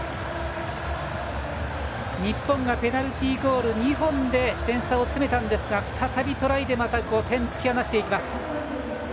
日本がペナルティーゴール２本で点差を詰めたんですが再びトライでイングランドがまた５点突き放します。